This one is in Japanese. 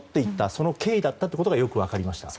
その経緯だったということがよく分かりました。